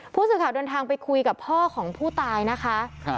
ผู้สื่อข่าวเดินทางไปคุยกับพ่อของผู้ตายนะคะ